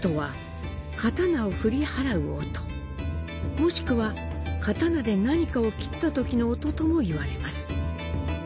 もしくは刀で何かを斬った時の音ともいわれます。